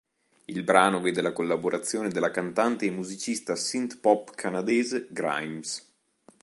Il brano vede la collaborazione della cantante e musicista synth pop canadese Grimes.